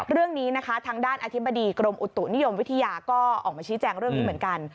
เรื่องนี้นะคะทางด้านอธิบดีกรมอุตุนิยมวิทยาก็ออกมาชี้แจงเรื่องนี้เหมือนกัน